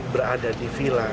berada di vila